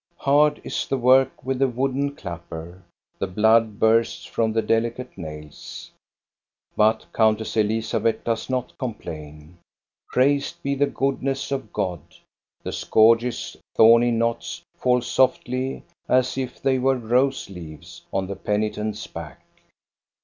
Hard is the work with the wooden clapper. The blood bursts from the delicate nails. But Countess Elizabeth does not complain. Praised be the goodness of God ! The scourge's thorny knots fall softly, as if they were rose leaves, on the penitent's back.